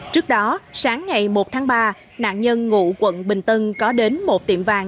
trước đó sáng ngày một tháng ba nạn nhân ngụ quận bình tân có đến một tiệm vàng